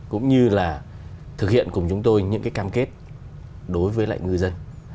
cũng như là thực hiện cùng chúng tôi những cái cam kết đối với lại ngư dân